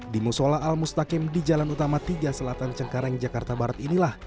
di musola al mustakim di jalan utama tiga selatan cengkareng jakarta barat inilah